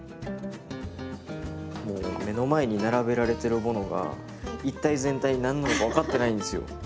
もう目の前に並べられてるものが一体全体何なのか分かってないんですよ。